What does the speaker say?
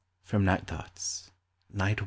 FROM " NIGHT THOUGHTS," NIGHT I.